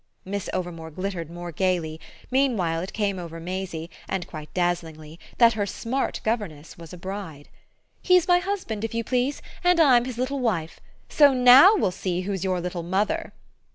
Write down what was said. Miss Overmore glittered more gaily; meanwhile it came over Maisie, and quite dazzlingly, that her "smart" governess was a bride. "He's my husband, if you please, and I'm his little wife. So NOW we'll see who's your little mother!"